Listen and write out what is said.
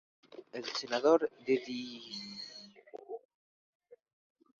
El Senado decidió continuar la guerra y no admitir el pacto firmado.